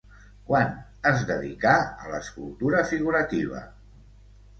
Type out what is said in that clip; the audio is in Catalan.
Quan es dedicà a l'escultura figurativa?